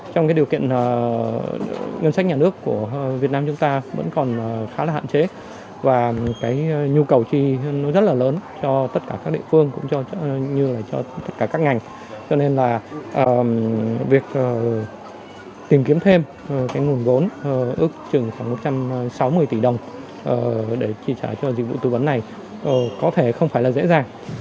cho nên là việc tìm kiếm thêm cái nguồn vốn ước chừng khoảng một trăm sáu mươi tỷ đồng để trả cho dịch vụ tư vấn này có thể không phải là dễ dàng